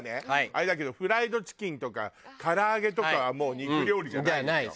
あれだけどフライドチキンとか唐揚げとかはもう肉料理じゃないよ。